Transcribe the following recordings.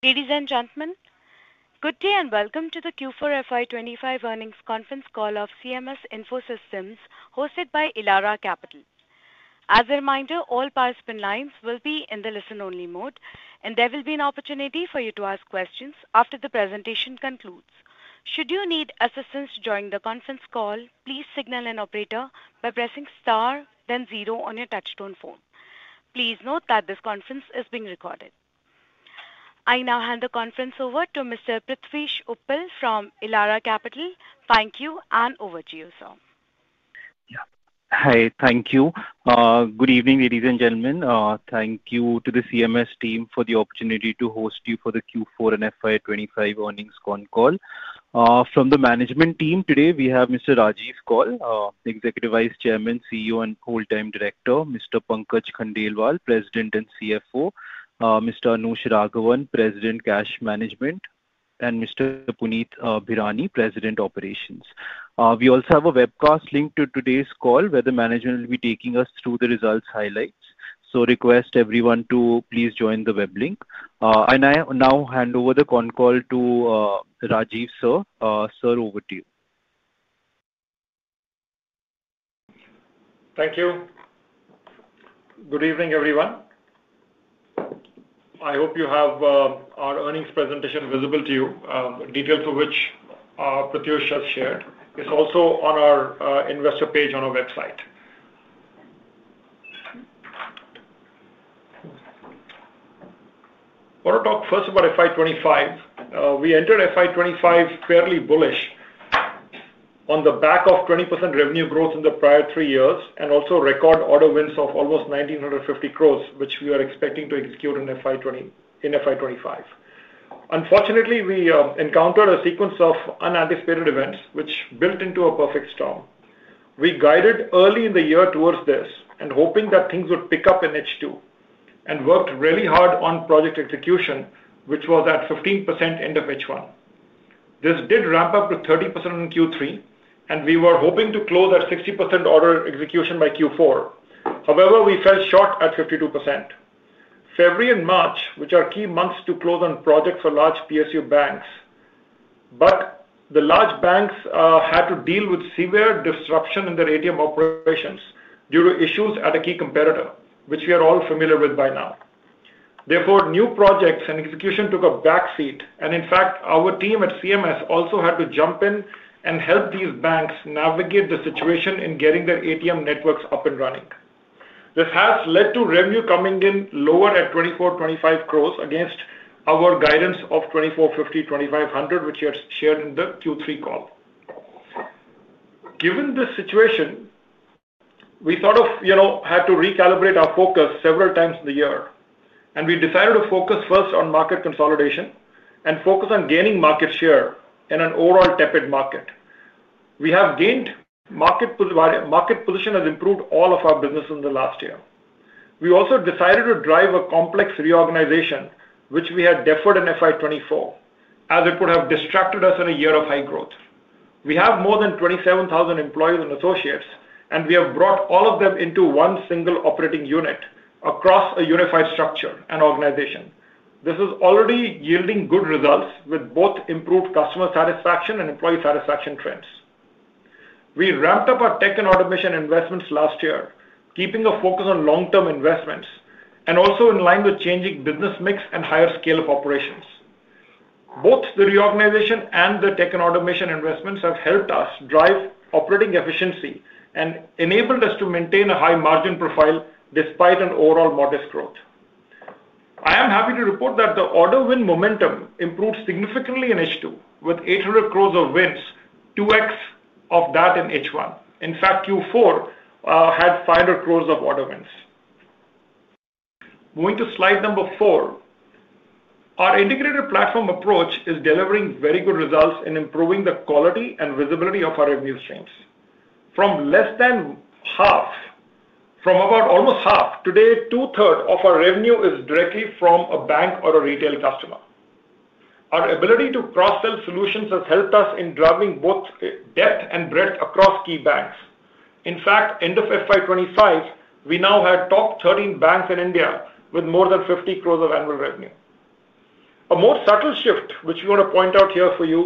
Ladies and gentlemen, good day and welcome to the Q4 FY 2025 earnings conference call of CMS Info Systems, hosted by Elara Capital. As a reminder, all participant lines will be in the listen-only mode, and there will be an opportunity for you to ask questions after the presentation concludes. Should you need assistance during the conference call, please signal an operator by pressing star, then zero on your touchstone phone. Please note that this conference is being recorded. I now hand the conference over to Mr. Prithvish Uppal from Elara Capital. Thank you, and over to you, sir. Hi, thank you. Good evening, ladies and gentlemen. Thank you to the CMS team for the opportunity to host you for the Q4 and FY 2025 earnings con call. From the management team, today we have Mr. Rajiv Kaul, Executive Vice Chairman, CEO, and full-time director, Mr. Pankaj Khandelwal, President and CFO, Mr. Anush Raghavan, President, Cash Management, and Mr. Puneet Bhirani, President, Operations. We also have a webcast linked to today's call where the management will be taking us through the results highlights. Request everyone to please join the web link. I now hand over the con call to Rajiv, sir. Sir, over to you. Thank you. Good evening, everyone. I hope you have our earnings presentation visible to you, details of which Prithwish has shared. It is also on our investor page on our website. I want to talk first about FY 2025. We entered FY 2025 fairly bullish on the back of 20% revenue growth in the prior three years and also record order wins of almost 1,950 crores, which we were expecting to execute in FY 2025. Unfortunately, we encountered a sequence of unanticipated events, which built into a perfect storm. We guided early in the year towards this and hoping that things would pick up in H2 and worked really hard on project execution, which was at 15% end of H1. This did ramp up to 30% in Q3, and we were hoping to close at 60% order execution by Q4. However, we fell short at 52%. February and March, which are key months to close on projects for large PSU banks, but the large banks had to deal with severe disruption in their ATM operations due to issues at a key competitor, which we are all familiar with by now. Therefore, new projects and execution took a backseat. In fact, our team at CMS also had to jump in and help these banks navigate the situation in getting their ATM networks up and running. This has led to revenue coming in lower at 2,425 million against our guidance of 2,450 million-2,500 million, which you had shared in the Q3 call. Given this situation, we sort of had to recalibrate our focus several times in the year. We decided to focus first on market consolidation and focus on gaining market share in an overall tepid market. We have gained market position, has improved all of our business in the last year. We also decided to drive a complex reorganization, which we had deferred in FY 2024, as it would have distracted us in a year of high growth. We have more than 27,000 employees and associates, and we have brought all of them into one single operating unit across a unified structure and organization. This is already yielding good results with both improved customer satisfaction and employee satisfaction trends. We ramped up our tech and automation investments last year, keeping a focus on long-term investments and also in line with changing business mix and higher scale of operations. Both the reorganization and the tech and automation investments have helped us drive operating efficiency and enabled us to maintain a high margin profile despite an overall modest growth. I am happy to report that the order win momentum improved significantly in H2 with 800 crores of wins, 2x of that in H1. In fact, Q4 had 500 crores of order wins. Moving to slide number four, our integrated platform approach is delivering very good results in improving the quality and visibility of our revenue streams. From less than half, from about almost half, today, 2/3 of our revenue is directly from a bank or a retail customer. Our ability to cross-sell solutions has helped us in driving both depth and breadth across key banks. In fact, end of FY 2025, we now had top 13 banks in India with more than 50 crore of annual revenue. A more subtle shift, which we want to point out here for you,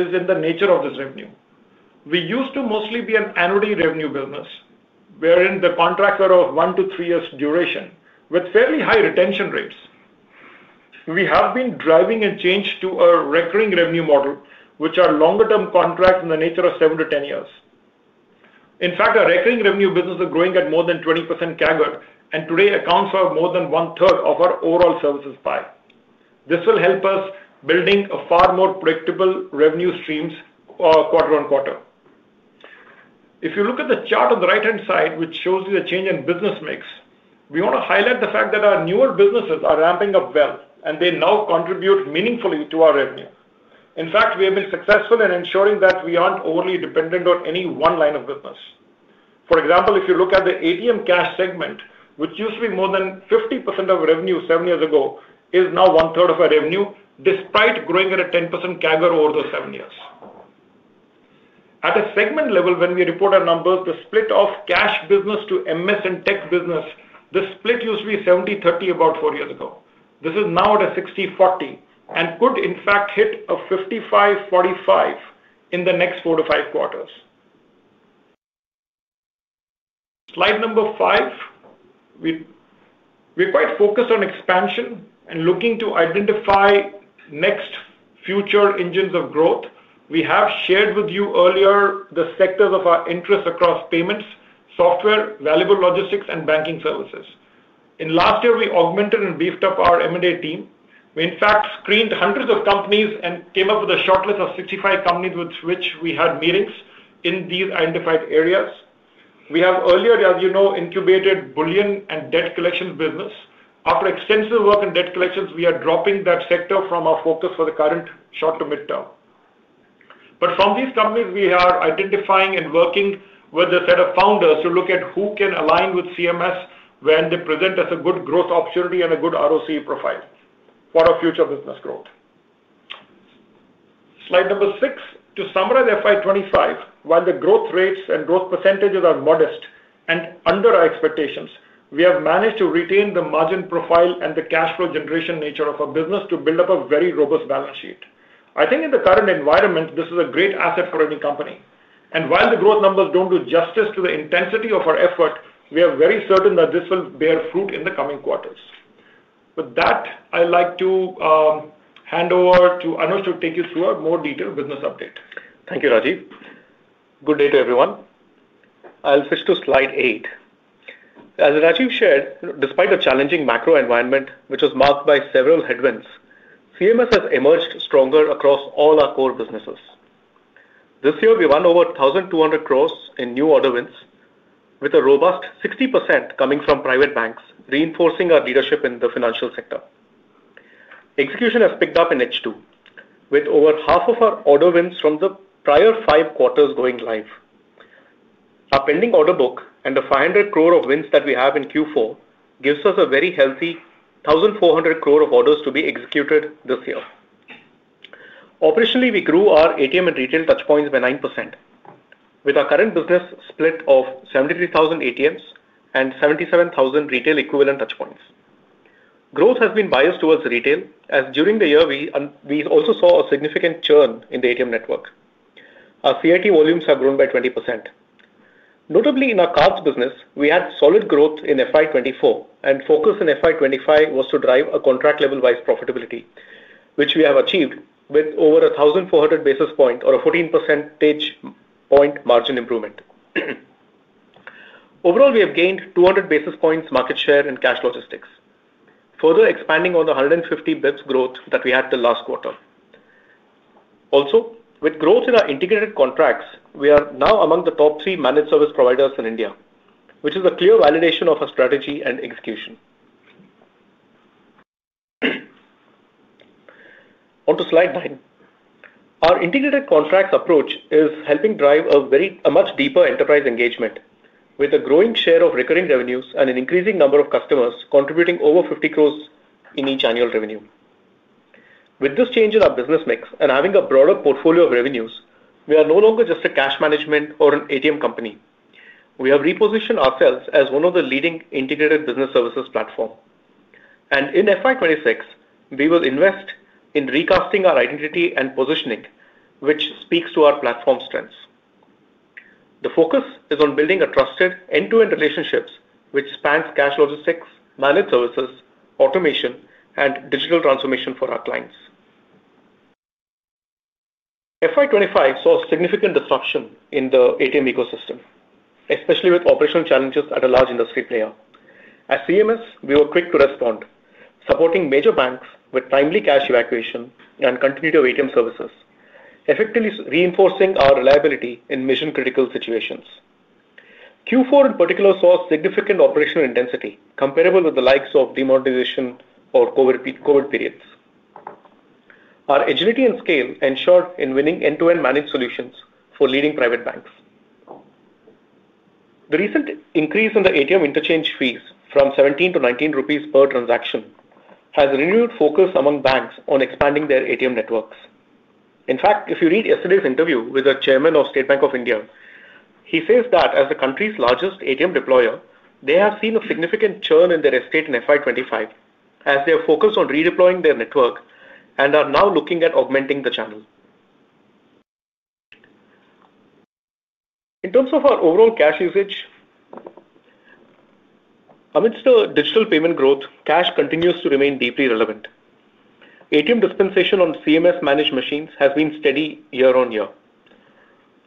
is in the nature of this revenue. We used to mostly be an annual revenue business, wherein the contracts are of one- to three-year duration with fairly high retention rates. We have been driving a change to our recurring revenue model, which are longer-term contracts in the nature of seven- to ten-year. In fact, our recurring revenue business is growing at more than 20% CAGR, and today accounts for more than one-third of our overall services buy. This will help us build far more predictable revenue streams quarter on quarter. If you look at the chart on the right-hand side, which shows you the change in business mix, we want to highlight the fact that our newer businesses are ramping up well, and they now contribute meaningfully to our revenue. In fact, we have been successful in ensuring that we aren't overly dependent on any one line of business. For example, if you look at the ATM cash segment, which used to be more than 50% of revenue seven years ago, is now 1/3 of our revenue, despite growing at a 10% CAGR over the seven years. At a segment level, when we report our numbers, the split of cash business to MS and tech business, the split used to be 70/30 about four years ago. This is now at a 60/40 and could, in fact, hit a 55/45 in the next four to five quarters. Slide number five, we're quite focused on expansion and looking to identify next future engines of growth. We have shared with you earlier the sectors of our interest across payments, software, valuable logistics, and banking services. In last year, we augmented and beefed up our M&A team. We, in fact, screened hundreds of companies and came up with a shortlist of 65 companies with which we had meetings in these identified areas. We have earlier, as you know, incubated bullion and debt collection business. After extensive work in debt collections, we are dropping that sector from our focus for the current short to midterm. From these companies, we are identifying and working with a set of founders to look at who can align with CMS when they present us a good growth opportunity and a good ROC profile for our future business growth. Slide number six, to summarize FY 2025, while the growth rates and growth percentages are modest and under our expectations, we have managed to retain the margin profile and the cash flow generation nature of our business to build up a very robust balance sheet. I think in the current environment, this is a great asset for any company. While the growth numbers do not do justice to the intensity of our effort, we are very certain that this will bear fruit in the coming quarters. With that, I would like to hand over to Anush to take you through our more detailed business update. Thank you, Rajiv. Good day to everyone. I'll switch to slide eight. As Rajiv shared, despite a challenging macro environment, which was marked by several headwinds, CMS has emerged stronger across all our core businesses. This year, we won over 1,200 crores in new order wins, with a robust 60% coming from private banks, reinforcing our leadership in the financial sector. Execution has picked up in H2, with over half of our order wins from the prior five quarters going live. Our pending order book and the 500 crore of wins that we have in Q4 gives us a very healthy 1,400 crore of orders to be executed this year. Operationally, we grew our ATM and retail touchpoints by 9%, with our current business split of 73,000 ATMs and 77,000 retail equivalent touchpoints. Growth has been biased towards retail, as during the year, we also saw a significant churn in the ATM network. Our CAT volumes have grown by 20%. Notably, in our cards business, we had solid growth in FY 2024, and focus in FY 2025 was to drive a contract-level-wise profitability, which we have achieved with over 1,400 basis points or a 14% margin improvement. Overall, we have gained 200 basis points market share in cash logistics, further expanding on the 150 basis points growth that we had the last quarter. Also, with growth in our integrated contracts, we are now among the top three managed service providers in India, which is a clear validation of our strategy and execution. Onto slide nine. Our integrated contracts approach is helping drive a much deeper enterprise engagement, with a growing share of recurring revenues and an increasing number of customers contributing over 500 million in each annual revenue. With this change in our business mix and having a broader portfolio of revenues, we are no longer just a cash management or an ATM company. We have repositioned ourselves as one of the leading integrated business services platforms. In FY 2026, we will invest in recasting our identity and positioning, which speaks to our platform strengths. The focus is on building trusted end-to-end relationships, which spans cash logistics, managed services, automation, and digital transformation for our clients. FY 2025 saw significant disruption in the ATM ecosystem, especially with operational challenges at a large industry player. As CMS, we were quick to respond, supporting major banks with timely cash evacuation and continuity of ATM services, effectively reinforcing our reliability in mission-critical situations. Q4, in particular, saw significant operational intensity comparable with the likes of demonetization or COVID periods. Our agility and scale ensured in winning end-to-end managed solutions for leading private banks. The recent increase in the ATM interchange fees from 17 to 19 rupees per transaction has renewed focus among banks on expanding their ATM networks. In fact, if you read yesterday's interview with the Chairman of State Bank of India, he says that as the country's largest ATM deployer, they have seen a significant churn in their estate in FY 2025, as they are focused on redeploying their network and are now looking at augmenting the channel. In terms of our overall cash usage, amidst digital payment growth, cash continues to remain deeply relevant. ATM dispensation on CMS managed machines has been steady year on year.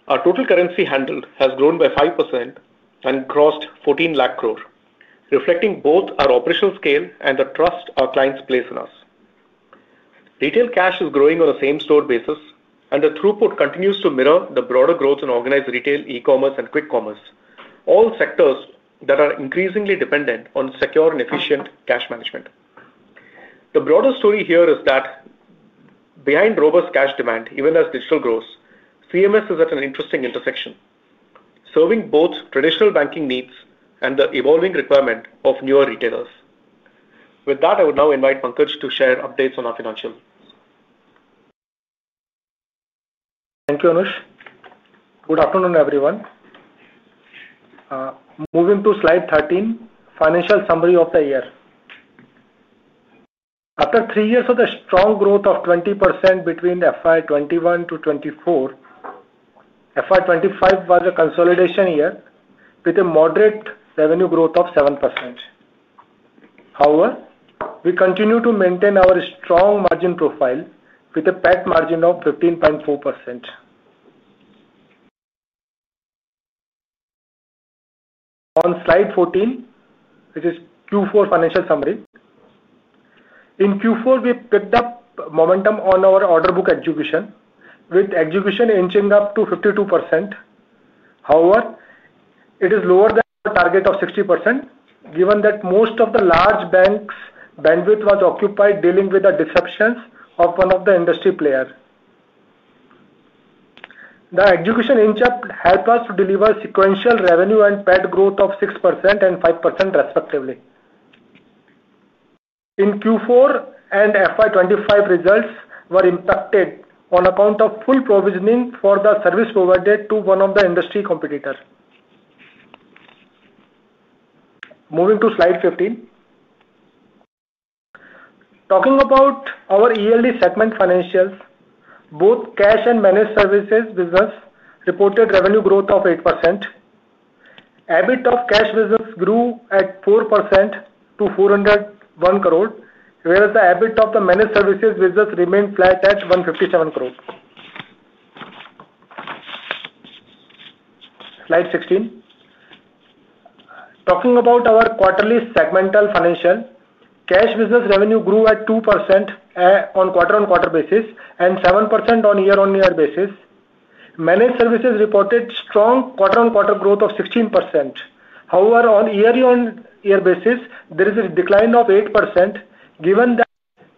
Our total currency handled has grown by 5% and crossed 14 lakh crore, reflecting both our operational scale and the trust our clients place in us. Retail cash is growing on a same-store basis, and the throughput continues to mirror the broader growth in organized retail, e-commerce, and quick commerce, all sectors that are increasingly dependent on secure and efficient cash management. The broader story here is that behind robust cash demand, even as digital grows, CMS is at an interesting intersection, serving both traditional banking needs and the evolving requirement of newer retailers. With that, I would now invite Pankaj to share updates on our financials. Thank you, Anush. Good afternoon, everyone. Moving to slide 13, financial summary of the year. After three years of the strong growth of 20% between FY 2021-FY 2024, FY 2025 was a consolidation year with a moderate revenue growth of 7%. However, we continue to maintain our strong margin profile with a PET margin of 15.4%. On slide 14, it is Q4 financial summary. In Q4, we picked up momentum on our order book execution, with execution inching up to 52%. However, it is lower than the target of 60%, given that most of the large banks' bandwidth was occupied dealing with the disruptions of one of the industry players. The execution inch helped us to deliver sequential revenue and PET growth of 6% and 5%, respectively. In Q4, FY 2025 results were impacted on account of full provisioning for the service provided to one of the industry competitors. Moving to slide 15, talking about our ELD segment financials, both cash and managed services business reported revenue growth of 8%. EBIT of cash business grew at 4% to 401 crore, whereas the EBIT of the managed services business remained flat at 157 crore. Slide 16, talking about our quarterly segmental financial, cash business revenue grew at 2% on quarter-on-quarter basis and 7% on year-on-year basis. Managed services reported strong quarter-on-quarter growth of 16%. However, on year-on-year basis, there is a decline of 8%, given that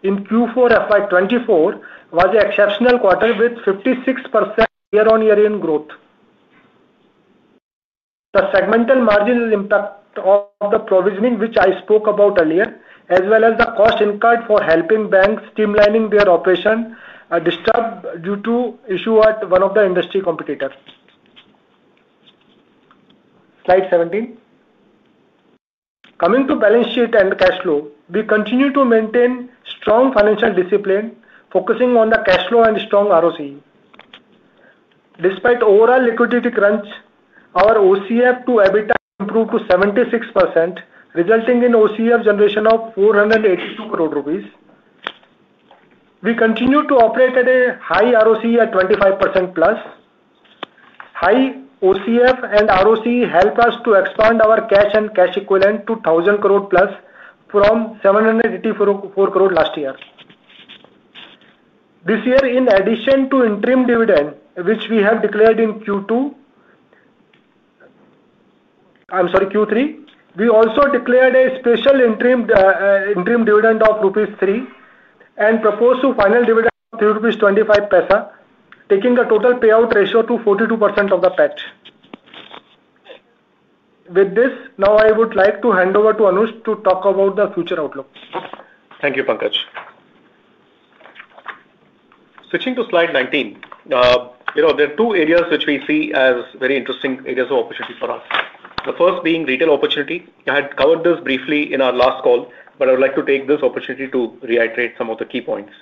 in Q4, FY 2024 was an exceptional quarter with 56% year-on-year growth. The segmental margin impact of the provisioning, which I spoke about earlier, as well as the cost incurred for helping banks streamlining their operation, are disturbed due to issues at one of the industry competitors. Slide 17, coming to balance sheet and cash flow, we continue to maintain strong financial discipline, focusing on the cash flow and strong ROC. Despite overall liquidity crunch, our OCF to EBIT improved to 76%, resulting in OCF generation of 482 crore rupees. We continue to operate at a high ROC at 25% plus. High OCF and ROC help us to expand our cash and cash equivalent to 1,000 crore plus from 784 crore last year. This year, in addition to interim dividend, which we have declared in Q2, I'm sorry, Q3, we also declared a special interim dividend of rupees 3 and proposed to final dividend of rupees 25, taking the total payout ratio to 42% of the PAT. With this, now I would like to hand over to Anush to talk about the future outlook. Thank you, Pankaj. Switching to slide 19, there are two areas which we see as very interesting areas of opportunity for us. The first being retail opportunity. I had covered this briefly in our last call, but I would like to take this opportunity to reiterate some of the key points.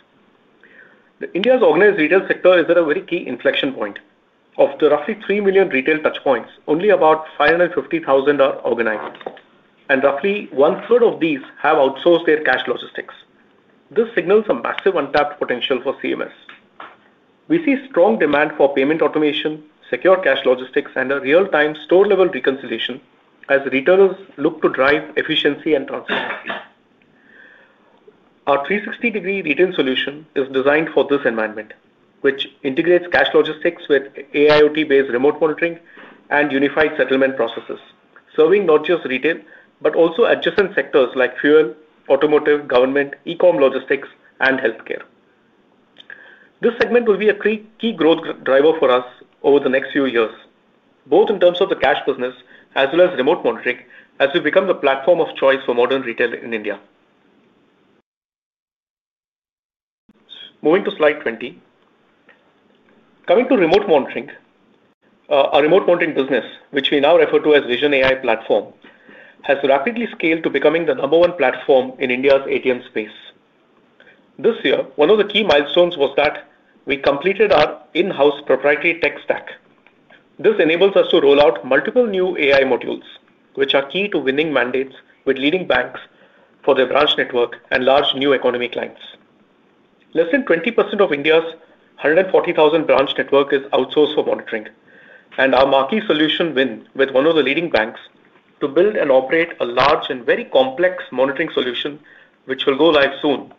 India's organized retail sector is at a very key inflection point. Of the roughly 3 million retail touchpoints, only about 550,000 are organized, and roughly one-third of these have outsourced their cash logistics. This signals a massive untapped potential for CMS. We see strong demand for payment automation, secure cash logistics, and a real-time store-level reconciliation as retailers look to drive efficiency and transparency. Our 360-degree retail solution is designed for this environment, which integrates cash logistics with AIoT-based remote monitoring and unified settlement processes, serving not just retail, but also adjacent sectors like fuel, automotive, government, e-comm logistics, and healthcare. This segment will be a key growth driver for us over the next few years, both in terms of the cash business as well as remote monitoring, as we become the platform of choice for modern retail in India. Moving to slide 20, coming to remote monitoring, our remote monitoring business, which we now refer to as Vision AI Platform, has rapidly scaled to becoming the number one platform in India's ATM space. This year, one of the key milestones was that we completed our in-house proprietary tech stack. This enables us to roll out multiple new AI modules, which are key to winning mandates with leading banks for their branch network and large new economy clients. Less than 20% of India's 140,000 branch network is outsourced for monitoring, and our marquee solution, win, with one of the leading banks to build and operate a large and very complex monitoring solution, which will go live soon,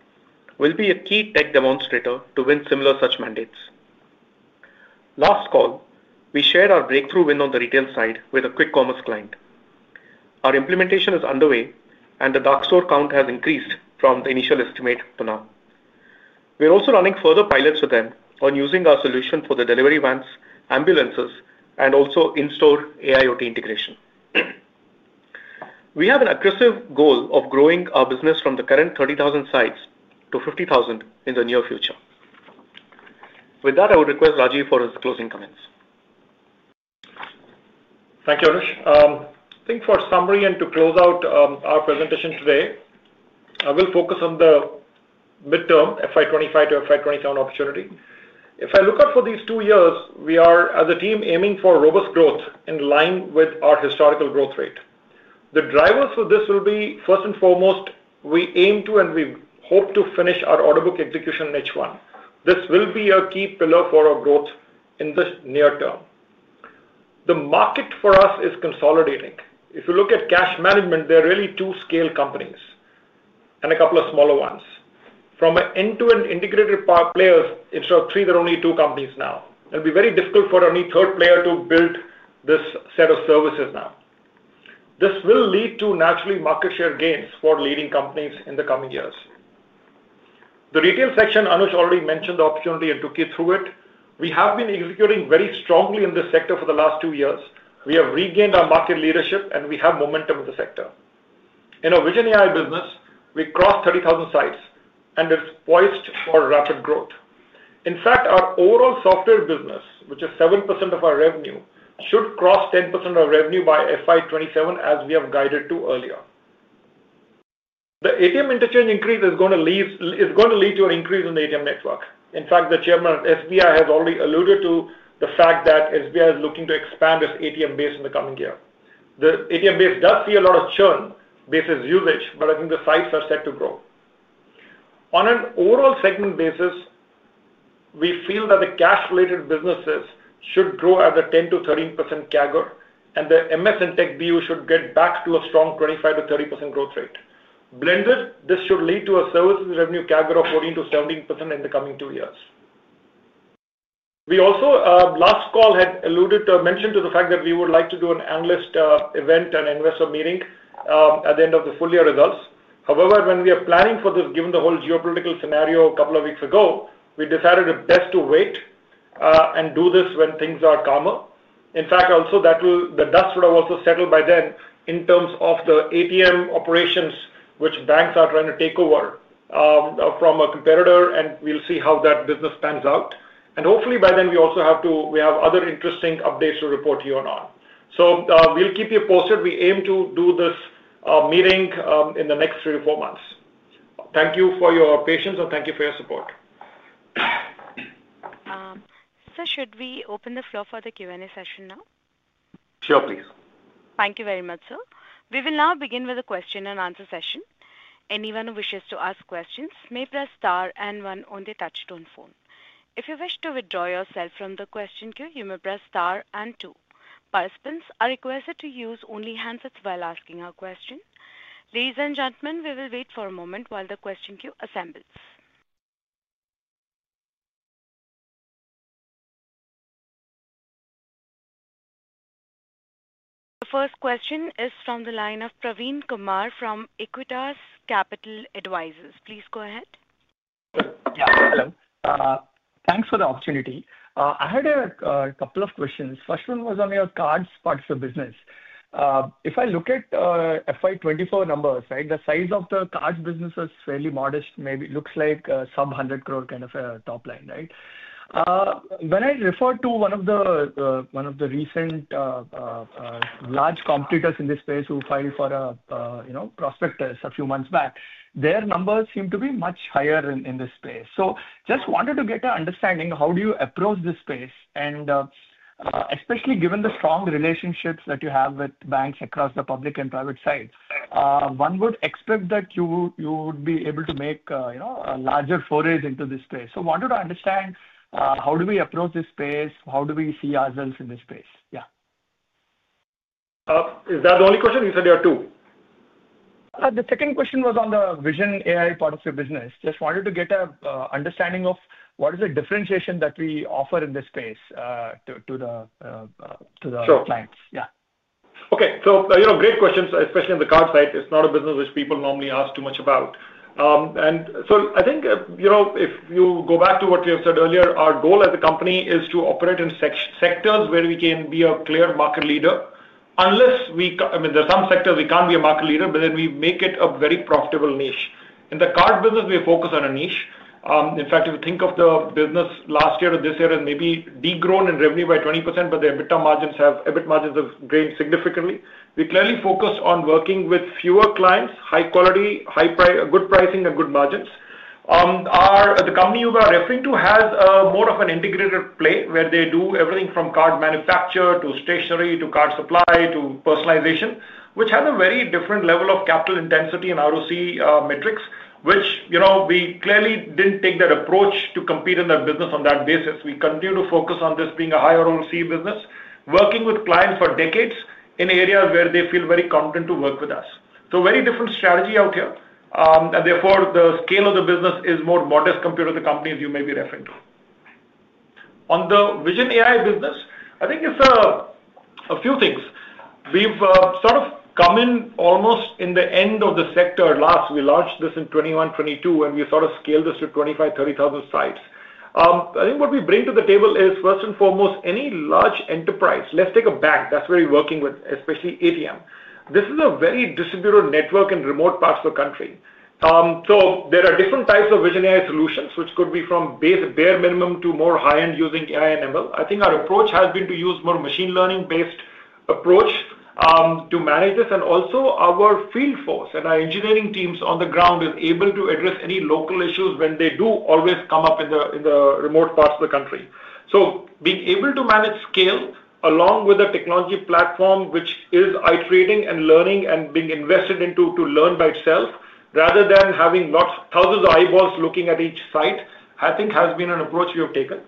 will be a key tech demonstrator to win similar such mandates. Last call, we shared our breakthrough win on the retail side with a quick commerce client. Our implementation is underway, and the dark store count has increased from the initial estimate to now. We're also running further pilots with them on using our solution for the delivery vans, ambulances, and also in-store AIoT integration. We have an aggressive goal of growing our business from the cu rrent 30,000 sites to 50,000 in the near future. With that, I would request Rajiv for his closing comments. Thank you, Anush. I think for a summary and to close out our presentation today, I will focus on the midterm FY2025-FY 2027 opportunity. If I look out for these two years, we are, as a team, aiming for robust growth in line with our historical growth rate. The drivers for this will be, first and foremost, we aim to and we hope to finish our order book execution in H1. This will be a key pillar for our growth in the near term. The market for us is consolidating. If you look at cash management, there are really two scale companies and a couple of smaller ones. From an end-to-end integrated player, instead of three, there are only two companies now. It'll be very difficult for any third player to build this set of services now. This will lead to, naturally, market share gains for leading companies in the coming years. The retail section, Anush already mentioned the opportunity and took you through it. We have been executing very strongly in this sector for the last two years. We have regained our market leadership, and we have momentum in the sector. In our Vision AI business, we crossed 30,000 sites, and it's poised for rapid growth. In fact, our overall software business, which is 7% of our revenue, should cross 10% of our revenue by FY 2027, as we have guided to earlier. The ATM interchange increase is going to lead to an increase in the ATM network. In fact, the Chairman of State Bank of India has already alluded to the fact that State Bank of India is looking to expand its ATM base in the coming year. The ATM base does see a lot of churn basis usage, but I think the sites are set to grow. On an overall segment basis, we feel that the cash-related businesses should grow at the 10%-13% CAGR, and the MS and tech BU should get back to a strong 25%-30% growth rate. Blended, this should lead to a services revenue CAGR of 14%-17% in the coming two years. We also, last call, had alluded to mention to the fact that we would like to do an analyst event and investor meeting at the end of the full year results. However, when we are planning for this, given the whole geopolitical scenario a couple of weeks ago, we decided it's best to wait and do this when things are calmer. In fact, also, the dust would have also settled by then in terms of the ATM operations, which banks are trying to take over from a competitor, and we will see how that business pans out. Hopefully, by then, we also have to, we have other interesting updates to report to you on. We will keep you posted. We aim to do this meeting in the next three to four months. Thank you for your patience, and thank you for your support. Sir, should we open the floor for the Q&A session now? Sure, please. Thank you very much, sir. We will now begin with a question-and-answer session. Anyone who wishes to ask questions may press star and one on the touchstone phone. If you wish to withdraw yourself from the question queue, you may press star and two. Participants are requested to use only handsets while asking a question. Ladies and gentlemen, we will wait for a moment while the question queue assembles. The first question is from the line of Praveen Kumar from Equitas Capital Advisors. Please go ahead. Yeah, hello. Thanks for the opportunity. I had a couple of questions. First one was on your cards for business. If I look at FY 2024 numbers, the size of the cards business is fairly modest, maybe looks like some 100 crore kind of a top line, right? When I refer to one of the recent large competitors in this space who filed for prospectus a few months back, their numbers seem to be much higher in this space. Just wanted to get an understanding how do you approach this space, and especially given the strong relationships that you have with banks across the public and private side, one would expect that you would be able to make a larger foray into this space. I wanted to understand how do we approach this space, how do we see ourselves in this space? Yeah. Is that the only question? You said there are two. The second question was on the Vision AI part of your business. Just wanted to get an understanding of what is the differentiation that we offer in this space to the clients. Sure. Okay. Great questions, especially on the card side. It's not a business which people normally ask too much about. I think if you go back to what we have said earlier, our goal as a company is to operate in sectors where we can be a clear market leader unless we, I mean, there are some sectors we can't be a market leader, but then we make it a very profitable niche. In the card business, we focus on a niche. In fact, if you think of the business last year or this year, it may have degrown in revenue by 20%, but the EBITDA margins and EBIT margins have grown significantly. We clearly focus on working with fewer clients, high quality, good pricing, and good margins. The company you are referring to has more of an integrated play where they do everything from card manufacture to stationery to card supply to personalization, which has a very different level of capital intensity and ROC metrics, which we clearly did not take that approach to compete in that business on that basis. We continue to focus on this being a higher ROC business, working with clients for decades in areas where they feel very confident to work with us. Very different strategy out here. Therefore, the scale of the business is more modest compared to the companies you may be referring to. On the Vision AI business, I think it is a few things. We have sort of come in almost in the end of the sector last. We launched this in 2021, 2022, and we sort of scaled this to 25,000-30,000 sites. I think what we bring to the table is, first and foremost, any large enterprise, let's take a bank that's very working with, especially ATM. This is a very distributed network in remote parts of the country. There are different types of Vision AI solutions, which could be from bare minimum to more high-end using AI and ML. I think our approach has been to use more machine learning-based approach to manage this. Also, our field force and our engineering teams on the ground are able to address any local issues when they do always come up in the remote parts of the country. Being able to manage scale along with a technology platform, which is iterating and learning and being invested into to learn by itself, rather than having thousands of eyeballs looking at each site, I think has been an approach we have taken.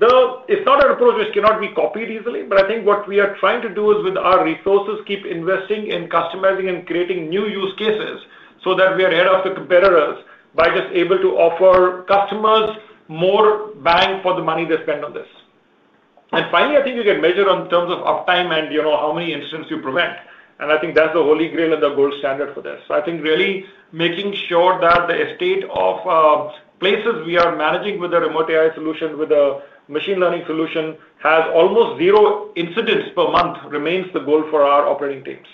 It's not an approach which cannot be copied easily, but I think what we are trying to do is, with our resources, keep investing in customizing and creating new use cases so that we are ahead of the competitors by just able to offer customers more bang for the money they spend on this. Finally, I think you can measure in terms of uptime and how many incidents you prevent. I think that's the Holy Grail and the gold standard for this. I think really making sure that the estate of places we are managing with the remote AI solution with a machine learning solution has almost zero incidents per month remains the goal for our operating teams.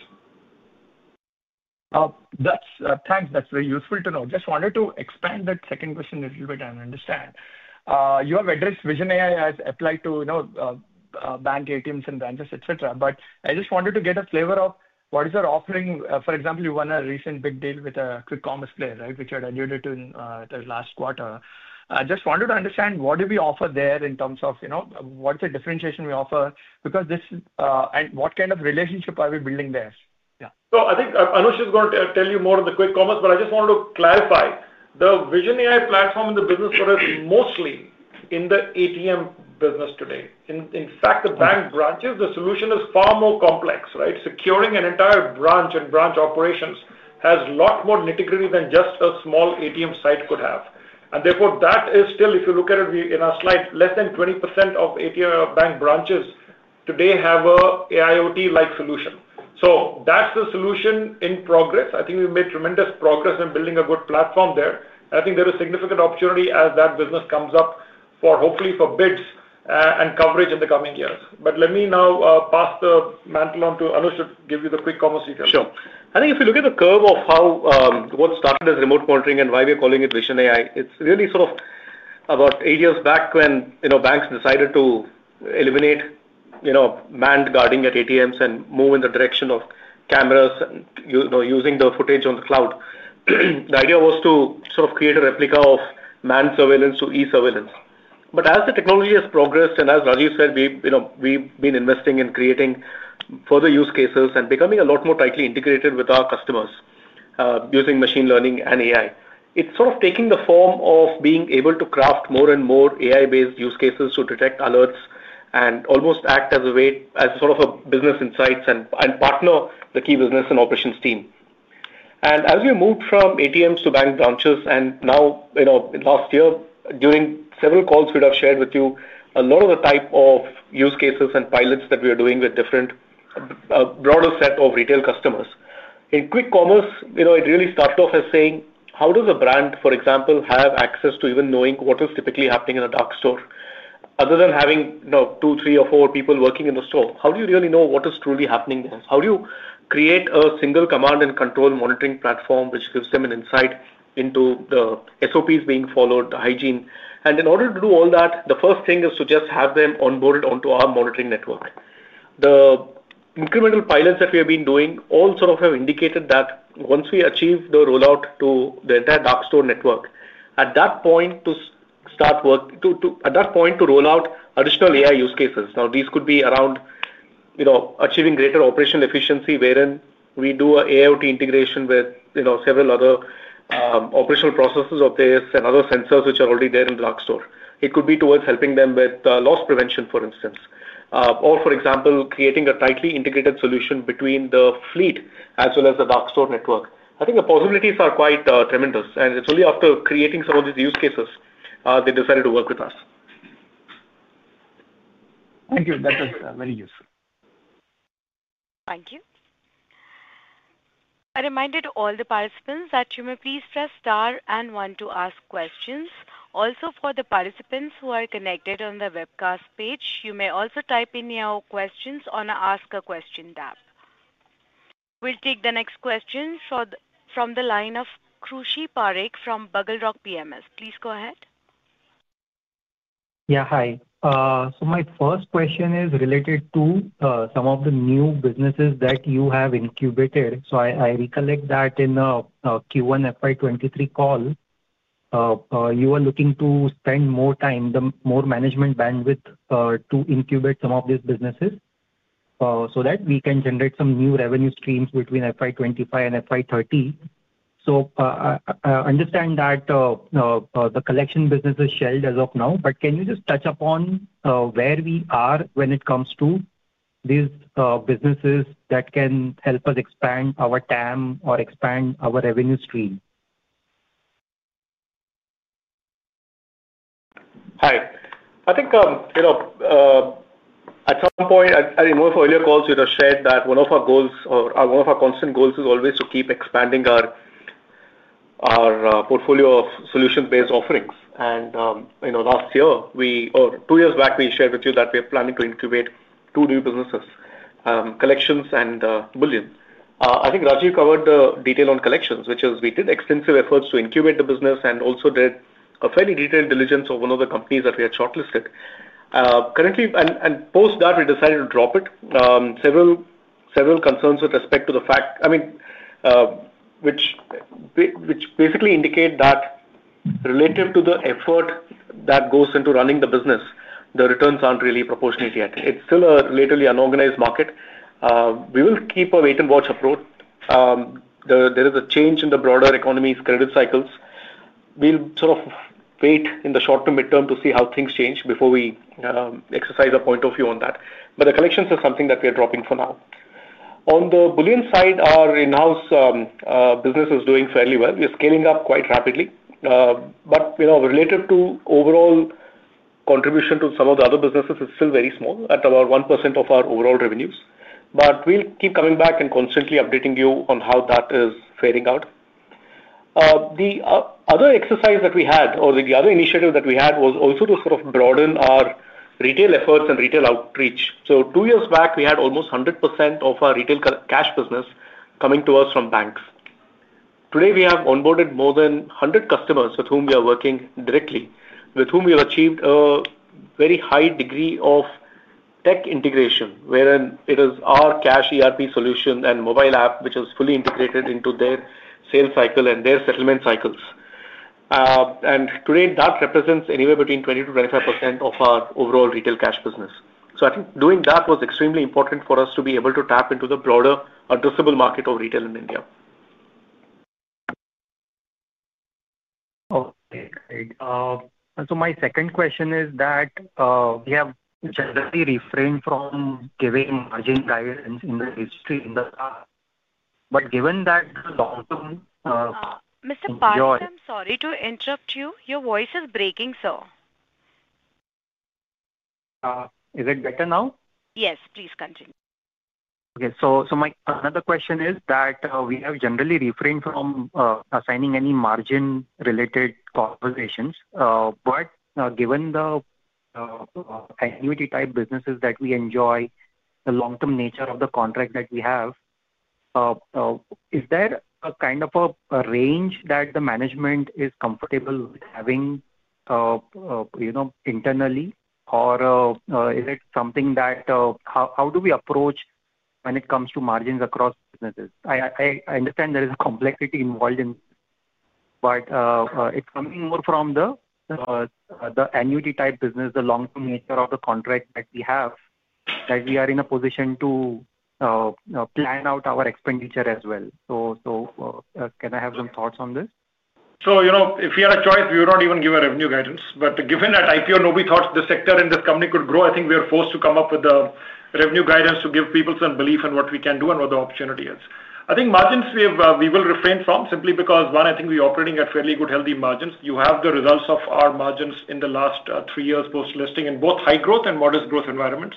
Thanks. That's very useful to know. Just wanted to expand that second question a little bit and understand. You have addressed Vision AI as applied to bank ATMs and branches, etc., but I just wanted to get a flavor of what is our offering. For example, you won a recent big deal with a quick commerce player, right, which you had alluded to last quarter. I just wanted to understand what do we offer there in terms of what's the differentiation we offer, and what kind of relationship are we building there? Yeah. I think Anush is going to tell you more on the quick commerce, but I just wanted to clarify. The Vision AI platform in the business for us is mostly in the ATM business today. In fact, the bank branches, the solution is far more complex, right? Securing an entire branch and branch operations has a lot more nitty-gritty than just a small ATM site could have. Therefore, that is still, if you look at it in our slide, less than 20% of bank branches today have an AIoT-like solution. That is the solution in progress. I think we've made tremendous progress in building a good platform there. I think there is significant opportunity as that business comes up for, hopefully, for bids and coverage in the coming years. Let me now pass the mantle on to Anush to give you the quick commerce details. Sure. I think if you look at the curve of what started as remote monitoring and why we are calling it Vision AI, it is really sort of about eight years back when banks decided to eliminate man guarding at ATMs and move in the direction of cameras using the footage on the cloud. The idea was to sort of create a replica of man surveillance to e-surveillance. As the technology has progressed and as Rajiv said, we have been investing in creating further use cases and becoming a lot more tightly integrated with our customers using machine learning and AI. It is sort of taking the form of being able to craft more and more AI-based use cases to detect alerts and almost act as a sort of a business insights and partner the key business and operations team. As we moved from ATMs to bank branches, and now last year, during several calls we had shared with you, a lot of the type of use cases and pilots that we are doing with different broader set of retail customers. In quick commerce, it really started off as saying, how does a brand, for example, have access to even knowing what is typically happening in a dark store? Other than having two, three, or four people working in the store, how do you really know what is truly happening there? How do you create a single command and control monitoring platform which gives them an insight into the SOPs being followed, the hygiene? In order to do all that, the first thing is to just have them onboarded onto our monitoring network. The incremental pilots that we have been doing all sort of have indicated that once we achieve the rollout to the entire dark store network, at that point to start working at that point to rollout additional AI use cases. Now, these could be around achieving greater operational efficiency wherein we do an AIoT integration with several other operational processes of this and other sensors which are already there in the dark store. It could be towards helping them with loss prevention, for instance, or, for example, creating a tightly integrated solution between the fleet as well as the dark store network. I think the possibilities are quite tremendous. It is only after creating some of these use cases they decided to work with us. Thank you. That was very useful. Thank you. A reminder to all the participants that you may please press star and one to ask questions. Also, for the participants who are connected on the webcast page, you may also type in your questions on the Ask a Question tab. We'll take the next question from the line of Krushi Parekh from BugleRock PMS. Please go ahead. Yeah, hi. My first question is related to some of the new businesses that you have incubated. I recollect that in Q1 FY 2023 call, you were looking to spend more time, more management bandwidth to incubate some of these businesses so that we can generate some new revenue streams between FY 2025 and FY 2030. I understand that the collection business is shelved as of now, but can you just touch upon where we are when it comes to these businesses that can help us expand our TAM or expand our revenue stream? Hi. I think at some point, I know earlier calls you have shared that one of our goals or one of our constant goals is always to keep expanding our portfolio of solution-based offerings. Last year or two years back, we shared with you that we are planning to incubate two new businesses, Collections and Bullion. I think Rajiv covered the detail on Collections, which is we did extensive efforts to incubate the business and also did a fairly detailed diligence over one of the companies that we had shortlisted. Currently, and post that, we decided to drop it. Several concerns with respect to the fact, I mean, which basically indicate that relative to the effort that goes into running the business, the returns aren't really proportionate yet. It's still a relatively unorganized market. We will keep a wait-and-watch approach. There is a change in the broader economy's credit cycles. We'll sort of wait in the short to midterm to see how things change before we exercise a point of view on that. The Collections is something that we are dropping for now. On the Bullion side, our in-house business is doing fairly well. We're scaling up quite rapidly. Relative to overall contribution to some of the other businesses, it's still very small at about 1% of our overall revenues. We'll keep coming back and constantly updating you on how that is fading out. The other exercise that we had or the other initiative that we had was also to sort of broaden our retail efforts and retail outreach. Two years back, we had almost 100% of our retail cash business coming to us from banks. Today, we have onboarded more than 100 customers with whom we are working directly, with whom we have achieved a very high degree of tech integration, wherein it is our cash ERP solution and mobile app which is fully integrated into their sales cycle and their settlement cycles. Today, that represents anywhere between 20%-25% of our overall retail cash business. I think doing that was extremely important for us to be able to tap into the broader addressable market of retail in India. Okay. My second question is that we have generally refrained from giving margin guidance in the history in the past. Given that long-term. Mr. Parekh, I'm sorry to interrupt you. Your voice is breaking, sir. Is it better now? Yes, please continue. Okay. My another question is that we have generally refrained from signing any margin-related conversations. Given the annuity-type businesses that we enjoy, the long-term nature of the contract that we have, is there a kind of a range that the management is comfortable having internally, or is it something that how do we approach when it comes to margins across businesses? I understand there is a complexity involved in this, but it's coming more from the annuity-type business, the long-term nature of the contract that we have, that we are in a position to plan out our expenditure as well. Can I have some thoughts on this? If we had a choice, we would not even give a revenue guidance. Given that IPO, nobody thought the sector in this company could grow, I think we were forced to come up with the revenue guidance to give people some belief in what we can do and what the opportunity is. I think margins we will refrain from simply because, one, I think we are operating at fairly good healthy margins. You have the results of our margins in the last three years post-listing in both high growth and modest growth environments.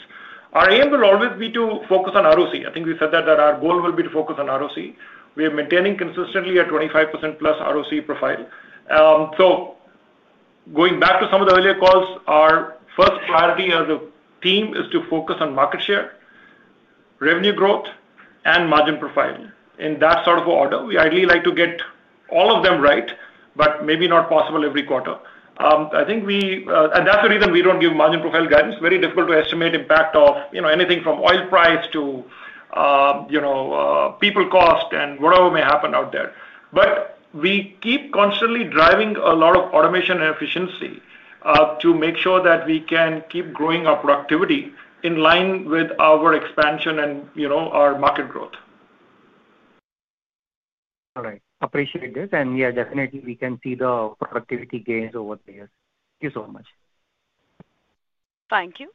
Our aim will always be to focus on ROC. I think we said that our goal will be to focus on ROC. We are maintaining consistently a 25%+ ROC profile. Going back to some of the earlier calls, our first priority as a team is to focus on market share, revenue growth, and margin profile. In that sort of order, we ideally like to get all of them right, but maybe not possible every quarter. I think we, and that's the reason we don't give margin profile guidance. Very difficult to estimate impact of anything from oil price to people cost and whatever may happen out there. We keep constantly driving a lot of automation and efficiency to make sure that we can keep growing our productivity in line with our expansion and our market growth. All right. Appreciate this. Yeah, definitely, we can see the productivity gains over the years. Thank you so much. Thank you.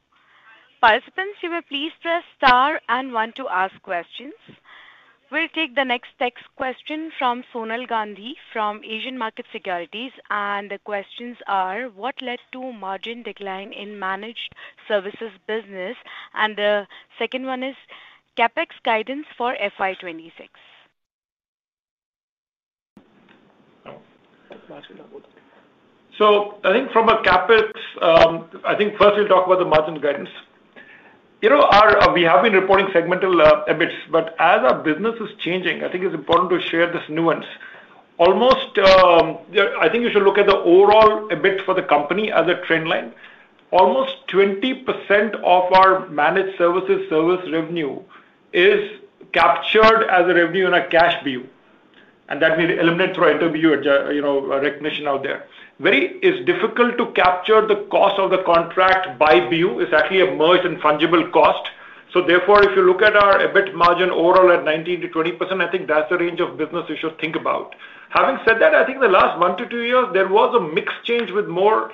Participants, you may please press star and one to ask questions. We will take the next text question from Sonal Gandhi from Asian Market Securities. The questions are, what led to margin decline in managed services business? The second one is, CapEx guidance for FY 2026. I think from a CapEx, I think first we'll talk about the margin guidance. We have been reporting segmental EBITs, but as our business is changing, I think it's important to share this nuance. I think you should look at the overall EBIT for the company as a trend line. Almost 20% of our managed services service revenue is captured as a revenue in a cash BU. And that we eliminate through inter-BU recognition out there. It's difficult to capture the cost of the contract by BU. It's actually a merged and fungible cost. Therefore, if you look at our EBIT margin overall at 19%-20%, I think that's the range of business you should think about. Having said that, I think the last one to two years, there was a mixed change with more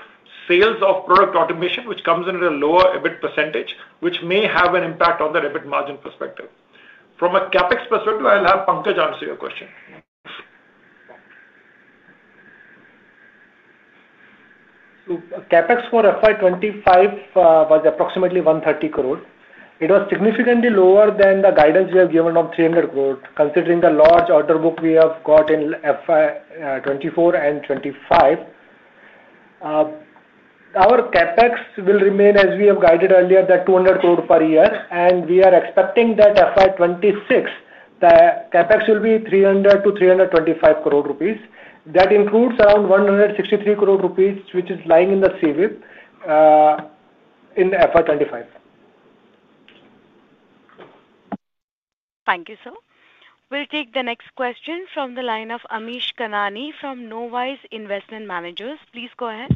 sales of product automation, which comes in at a lower EBIT percentage, which may have an impact on the EBIT margin perspective. From a CapEx perspective, I'll have Pankaj answer your question. CapEx for FY 2025 was approximately 130 crore. It was significantly lower than the guidance we have given of 300 crore, considering the large order book we have got in FY 2024 and 2025. Our CapEx will remain, as we have guided earlier, at 200 crore per year. We are expecting that in FY 2026, the CapEx will be 300-325 crore rupees. That includes around 163 crore rupees, which is lying in the CWIP in FY 2025. Thank you, sir. We'll take the next question from the line of Amish Kanani from Knowise Investment Managers. Please go ahead.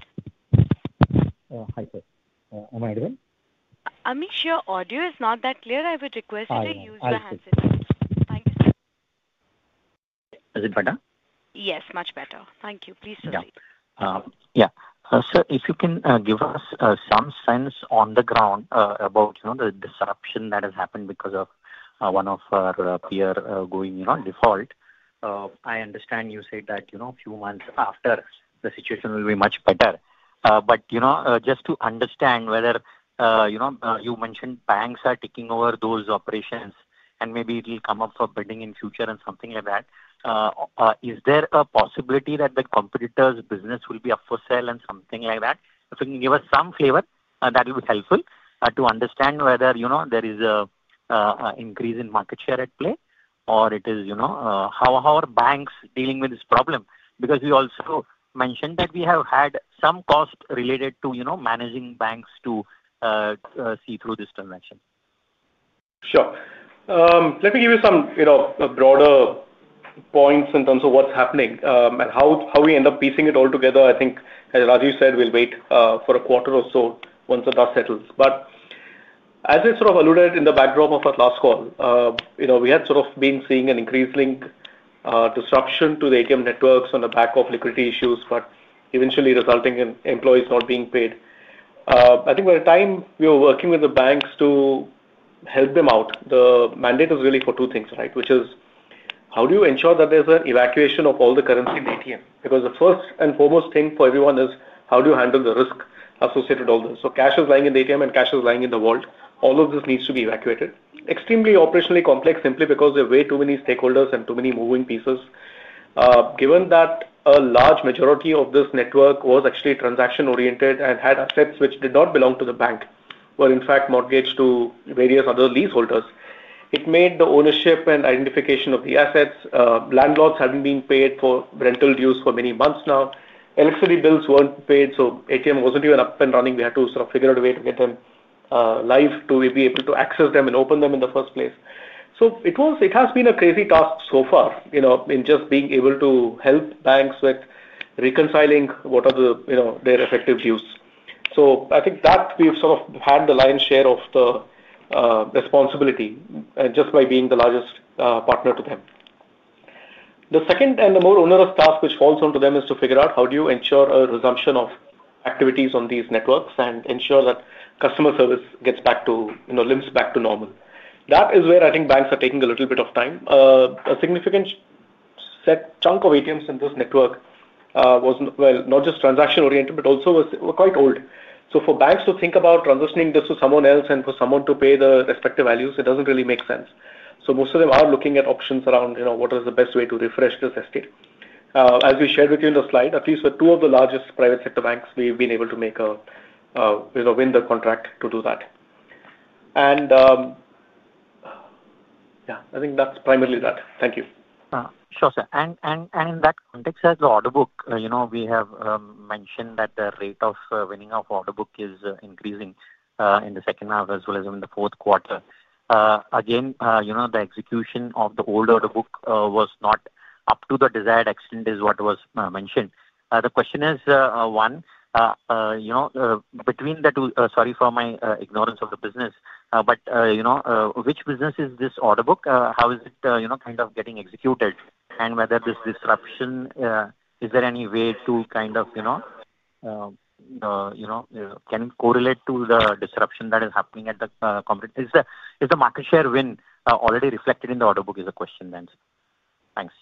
Hi, sir. Am I heard well? Amish, your audio is not that clear. I would request you to use the hands if you can. Hi. Thank you, sir. Is it better? Yes, much better. Thank you. Please proceed. Yeah. Sir, if you can give us some sense on the ground about the disruption that has happened because of one of our peers going on default. I understand you said that a few months after, the situation will be much better. Just to understand whether you mentioned banks are taking over those operations, and maybe it will come up for bidding in future and something like that. Is there a possibility that the competitor's business will be up for sale and something like that? If you can give us some flavor, that will be helpful to understand whether there is an increase in market share at play or how are banks dealing with this problem? Because you also mentioned that we have had some cost related to managing banks to see through this transaction. Sure. Let me give you some broader points in terms of what's happening and how we end up piecing it all together. I think, as Rajiv said, we'll wait for a quarter or so once the dust settles. As I sort of alluded in the backdrop of our last call, we had sort of been seeing an increasing disruption to the ATM networks on the back of liquidity issues, but eventually resulting in employees not being paid. I think by the time we were working with the banks to help them out, the mandate is really for two things, right? Which is how do you ensure that there's an evacuation of all the currency in the ATM? Because the first and foremost thing for everyone is how do you handle the risk associated with all this? Cash is lying in the ATM and cash is lying in the vault. All of this needs to be evacuated. Extremely operationally complex simply because there are way too many stakeholders and too many moving pieces. Given that a large majority of this network was actually transaction-oriented and had assets which did not belong to the bank, were in fact mortgaged to various other leaseholders, it made the ownership and identification of the assets. Landlords have not been paid for rental dues for many months now. Electricity bills were not paid, so ATM was not even up and running. We had to sort of figure out a way to get them live to be able to access them and open them in the first place. It has been a crazy task so far in just being able to help banks with reconciling what are their effective dues. I think that we've sort of had the lion's share of the responsibility just by being the largest partner to them. The second and the more onerous task which falls onto them is to figure out how do you ensure a resumption of activities on these networks and ensure that customer service gets back to, limps back to, normal. That is where I think banks are taking a little bit of time. A significant chunk of ATMs in this network was, well, not just transaction-oriented, but also was quite old. For banks to think about transitioning this to someone else and for someone to pay the respective values, it doesn't really make sense. Most of them are looking at options around what is the best way to refresh this estate. As we shared with you in the slide, at least with two of the largest private sector banks, we've been able to win the contract to do that. Yeah, I think that's primarily that. Thank you. Sure, sir. In that context, as the order book, we have mentioned that the rate of winning of order book is increasing in the second half as well as in the fourth quarter. Again, the execution of the old order book was not up to the desired extent is what was mentioned. The question is, one, between the two, sorry for my ignorance of the business, but which business is this order book? How is it kind of getting executed? Whether this disruption, is there any way to kind of correlate to the disruption that is happening at the, is the market share win already reflected in the order book is a question then. Thanks.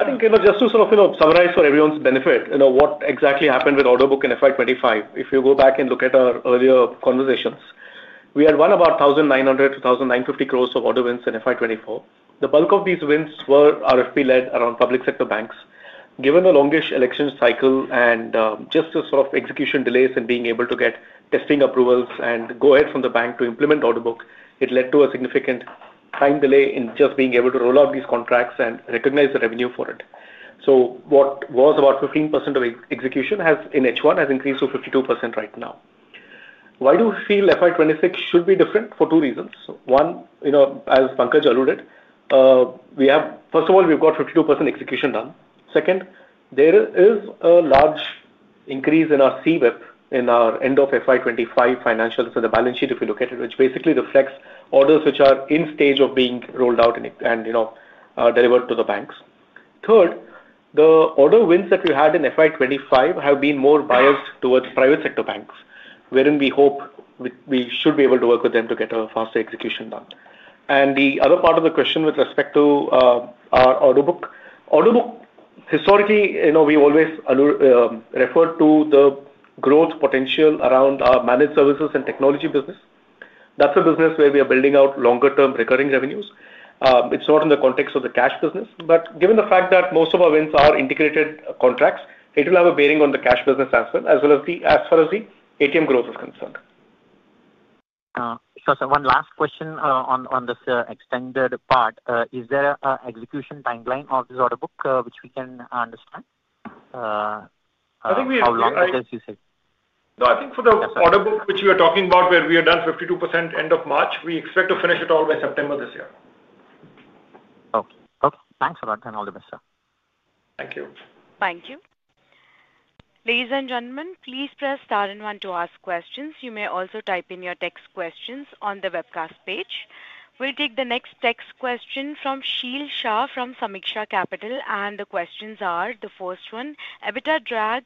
I think just to sort of summarize for everyone's benefit, what exactly happened with order book in FY 2025, if you go back and look at our earlier conversations, we had won about 1,900-1,950 crores of order wins in FY 2024. The bulk of these wins were RFP-led around public sector banks. Given the longish election cycle and just the sort of execution delays and being able to get testing approvals and go ahead from the bank to implement order book, it led to a significant time delay in just being able to roll out these contracts and recognize the revenue for it. What was about 15% of execution in H1 has increased to 52% right now. Why do we feel FY 2026 should be different? For two reasons. One, as Pankaj alluded, first of all, we've got 52% execution done. Second, there is a large increase in our CWIP in our end of FY 2025 financials and the balance sheet, if you look at it, which basically reflects orders which are in stage of being rolled out and delivered to the banks. Third, the order wins that we had in FY 2025 have been more biased towards private sector banks, wherein we hope we should be able to work with them to get a faster execution done. The other part of the question with respect to our order book, historically, we always referred to the growth potential around our managed services and technology business. That's a business where we are building out longer-term recurring revenues. It's not in the context of the cash business, but given the fact that most of our wins are integrated contracts, it will have a bearing on the cash business as well as far as the ATM growth is concerned. Sure, sir. One last question on this extended part. Is there an execution timeline of this order book which we can understand? How long is this, you said? No, I think for the order book which we are talking about, where we are done 52% end of March, we expect to finish it all by September this year. Okay. Okay. Thanks a lot and all the best, sir. Thank you. Thank you. Ladies and gentlemen, please press star and one to ask questions. You may also type in your text questions on the webcast page. We will take the next text question from Sheel Shah from Sameeksha Capital. The questions are, the first one, EBITDA drag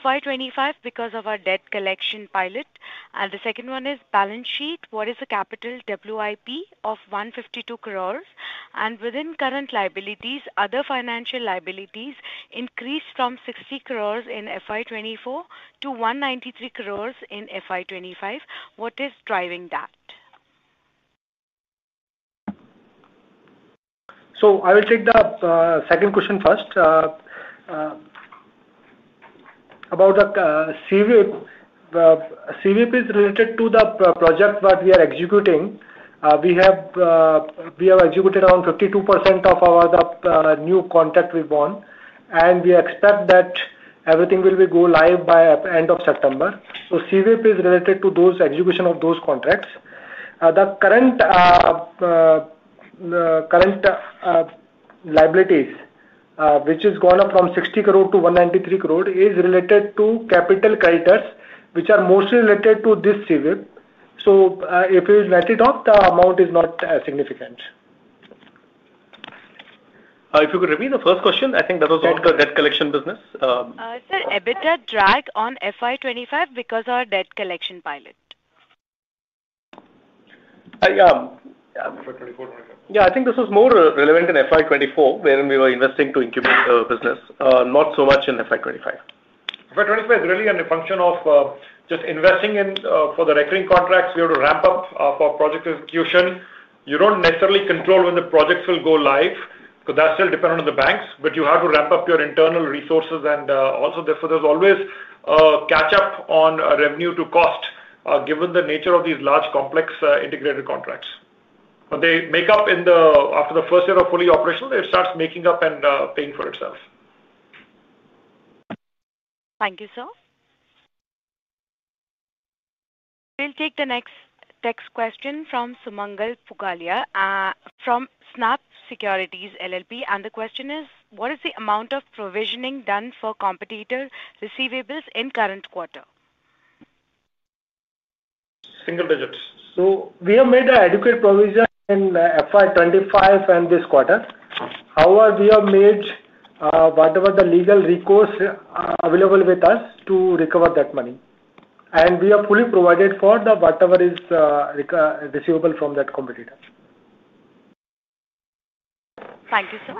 FY 2025 because of our debt collection pilot. The second one is balance sheet, what is the capital WIP of 152 crore? Within current liabilities, other financial liabilities increased from 60 crores in FY 2024 to 193 crores in FY 2025. What is driving that? I will take the second question first. About the CWIP, CWIP is related to the project that we are executing. We have executed around 52% of our new contract we have won. We expect that everything will go live by end of September. CWIP is related to those execution of those contracts. The current liabilities, which have gone up from INR 60 crore to INR 193 crore, are related to capital creditors which are mostly related to this CWIP. If you net it up, the amount is not significant. If you could repeat the first question, I think that was on the debt collection business. Is there EBITDA drag on FY 2025 because of our debt collection pilot? Yeah. Yeah, I think this was more relevant in FY 2024, wherein we were investing to incubate the business, not so much in FY 2025. FY 2025 is really a function of just investing in for the recurring contracts we have to ramp up for project execution. You do not necessarily control when the projects will go live because that is still dependent on the banks, but you have to ramp up your internal resources. Also, therefore there is always a catch-up on revenue to cost given the nature of these large complex integrated contracts. They make up in the after the first year of fully operational, it starts making up and paying for itself. Thank you, sir. We'll take the next text question from Sumangal Pugalia from Snap Securities LLP. The question is, what is the amount of provisioning done for competitor receivables in current quarter? Single digits. We have made an adequate provision in FY 2025 and this quarter. However, we have made whatever the legal recourse available with us to recover that money. We are fully provided for whatever is receivable from that competitor. Thank you, sir.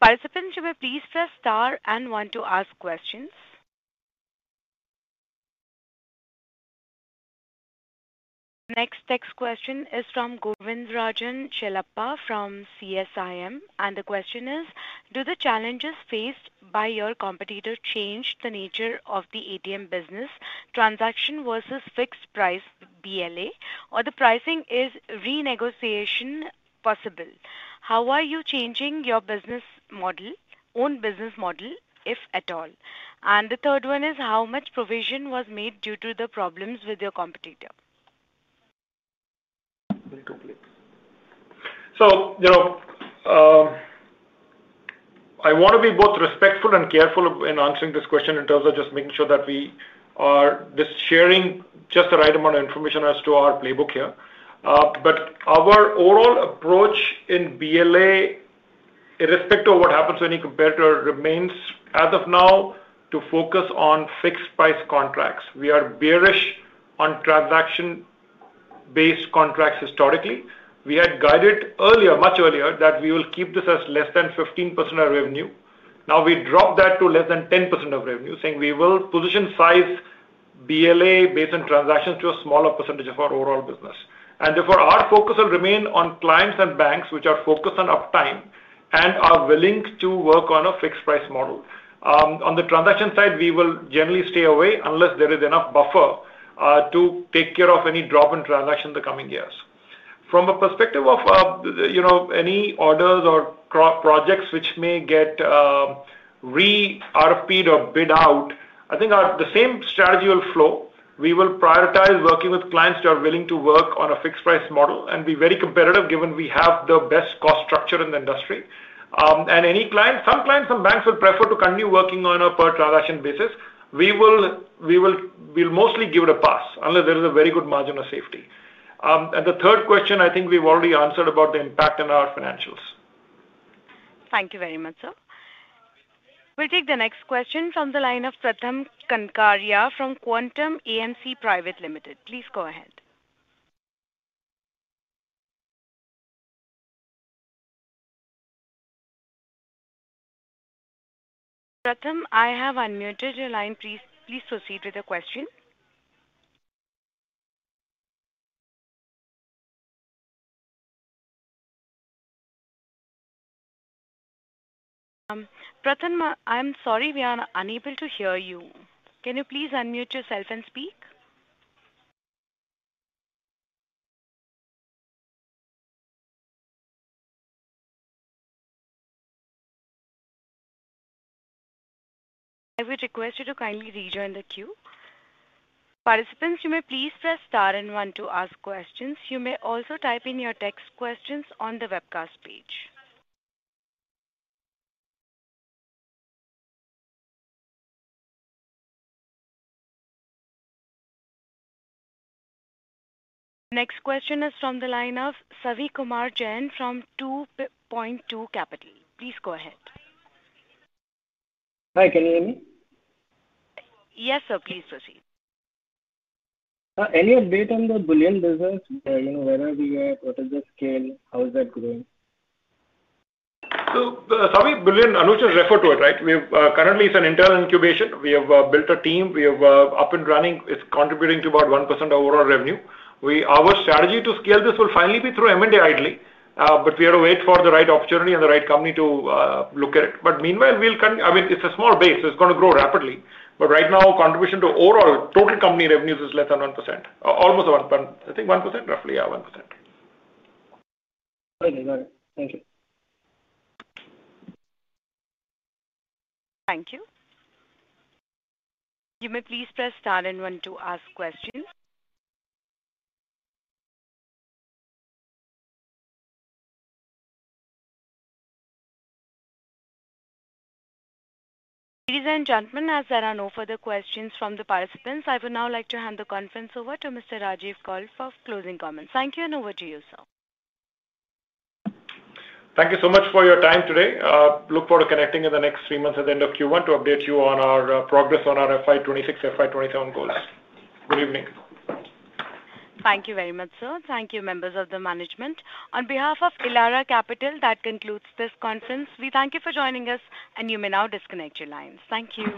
Participants, you may please press star and one to ask questions. Next text question is from Govindarajan Shelappa from CSIM. The question is, do the challenges faced by your competitor change the nature of the ATM business transaction versus fixed price BLA? Or the pricing is renegotiation possible? How are you changing your own business model, if at all? The third one is, how much provision was made due to the problems with your competitor? Very complex. I want to be both respectful and careful in answering this question in terms of just making sure that we are sharing just the right amount of information as to our playbook here. Our overall approach in BLA, irrespective of what happens when you compare to our remains, as of now, to focus on fixed price contracts. We are bearish on transaction-based contracts historically. We had guided earlier, much earlier, that we will keep this as less than 15% of revenue. Now we drop that to less than 10% of revenue, saying we will position size BLA based on transactions to a smaller percentage of our overall business. Therefore our focus will remain on clients and banks which are focused on uptime and are willing to work on a fixed price model. On the transaction side, we will generally stay away unless there is enough buffer to take care of any drop in transaction in the coming years. From a perspective of any orders or projects which may get re-RFPed or bid out, I think the same strategy will flow. We will prioritize working with clients that are willing to work on a fixed price model and be very competitive given we have the best cost structure in the industry. Some clients, some banks will prefer to continue working on a per transaction basis. We will mostly give it a pass unless there is a very good margin of safety. The third question, I think we've already answered about the impact on our financials. Thank you very much, sir. We'll take the next question from the line of Pratham Kankariya from Quantum AMC Private Limited. Please go ahead. Pratham, I have unmuted your line. Please proceed with the question. Pratham, I'm sorry we are unable to hear you. Can you please unmute yourself and speak? I would request you to kindly rejoin the queue. Participants, you may please press star and one to ask questions. You may also type in your text questions on the webcast page. Next question is from the line of Savi Kumar Jain from 2Point2 Capital. Please go ahead. Hi, can you hear me? Yes, sir. Please proceed. Any update on the Bullion business? Where are we at? What is the scale? How is that growing? Savi Bullion, Anush has referred to it, right? Currently, it's an internal incubation. We have built a team. We have up and running. It's contributing to about 1% overall revenue. Our strategy to scale this will finally be through M&A ideally. We are waiting for the right opportunity and the right company to look at it. Meanwhile, I mean, it's a small base. It's going to grow rapidly. Right now, contribution to overall total company revenues is less than 1%. Almost 1%. I think 1%, roughly 1%. Got it. Got it. Thank you. Thank you. You may please press star and one to ask questions. Ladies and gentlemen, as there are no further questions from the participants, I would now like to hand the conference over to Mr. Rajiv Kaul for closing comments. Thank you and over to you, sir. Thank you so much for your time today. Look forward to connecting in the next three months at the end of Q1 to update you on our progress on our FY 2026, FY 2027 goals. Good evening. Thank you very much, sir. Thank you, members of the management. On behalf of Elara Capital, that concludes this conference. We thank you for joining us, and you may now disconnect your lines. Thank you.